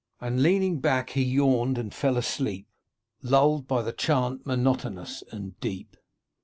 And, leaning back, he yawned, and fell asleep, Lulled by the chant monotonous and deep.